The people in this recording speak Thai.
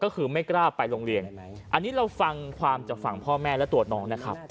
ก็คือไม่กล้าไปโรงเรียนอันนี้เราฟังความจากฝั่งพ่อแม่และตัวน้องนะครับ